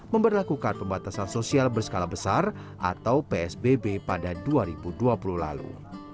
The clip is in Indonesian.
memperlakukan pembatasan sosial berskala besar atau psbb pada dua ribu dua puluh lalu